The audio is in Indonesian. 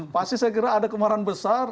pasti saya kira ada kemarahan besar